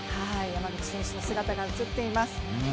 山口選手の姿が映っています。